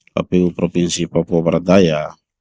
kpu provinsi papua barat daya